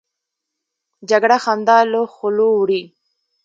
جګړه خندا له خولو وړي